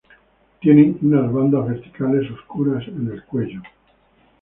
Tienen unas bandas verticales oscuras en el cuello.